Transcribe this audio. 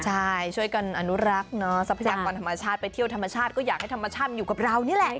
ใช่ช่วยกันอนุรักษ์เนาะทรัพยากรธรรมชาติไปเที่ยวธรรมชาติก็อยากให้ธรรมชาติอยู่กับเรานี่แหละ